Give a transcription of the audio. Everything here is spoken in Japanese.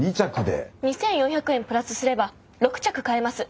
２，４００円プラスすれば６着買えます。